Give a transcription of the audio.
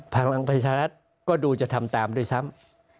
พลังประชารัฐก็ดูจะทำตามด้วยซ้ำ